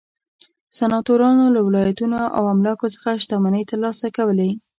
سناتورانو له ولایتونو او املاکو څخه شتمنۍ ترلاسه کولې.